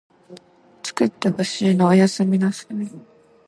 つくってほしいのおやすみなさい